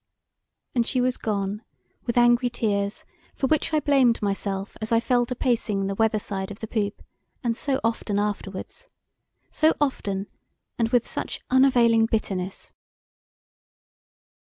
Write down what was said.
And she was gone with angry tears for which I blamed myself as I fell to pacing the weather side of the poop and so often afterwards! So often, and with such unavailing bitterness!